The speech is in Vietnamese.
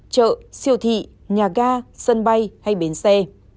chợ siêu thị nhà ga sân bay hay bến xe